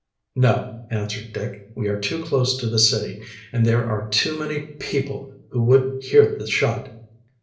"No," answered Dick. "We are too close to the city, and there are too many people who would hear the shot."